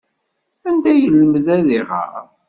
Anda ay yelmed ad iɣer?